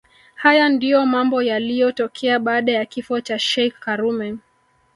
Hayo ndio mambo yaliyotokea baada ya kifo cha sheikh karume